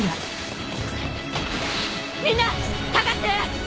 みんな下がって！